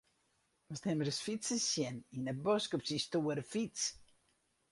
Moatst him ris fytsen sjen yn 'e bosk op syn stoere fyts.